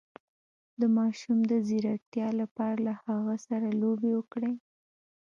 د ماشوم د ځیرکتیا لپاره له هغه سره لوبې وکړئ